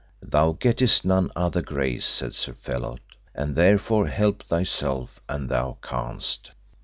Thou gettest none other grace, said Sir Phelot, and therefore help thyself an thou canst.